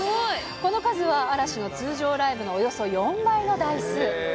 この数は嵐の通常ライブのおよそ４倍の台数。